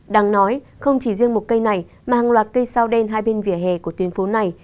đáng nói không chỉ riêng một cây này mà hàng loạt cây sao đen hai bên vỉa hè của tuyến phố này